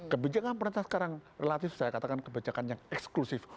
kebijakan pemerintah sekarang relatif saya katakan kebijakan yang eksklusif